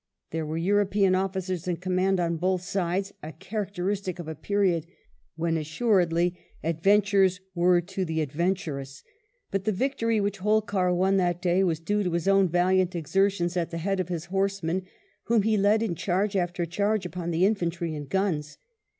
There were Ebtdpov^ officers in command on both sides, a chaiaetetn c « period when assuredly adventures were to lie ^'^ turous ; but the victory which Holkar won ite if^^ at due to his own valiant exertions at thei^ •* aion horsemen, whom he led in charge aftcrciE^ ^ The infantry and guns.